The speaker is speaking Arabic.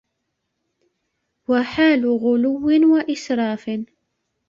وَحَالُ غُلُوٍّ وَإِسْرَافٍ